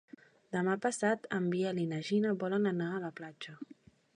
Demà passat en Biel i na Gina volen anar a la platja.